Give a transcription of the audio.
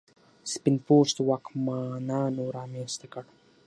سپین پوستو واکمنانو رامنځته کړ.